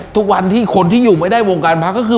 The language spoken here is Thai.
ทุกวันที่คนที่อยู่ไม่ได้วงการพระก็คือ